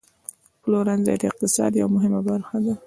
پلورنځی د اقتصاد یوه مهمه برخه ده.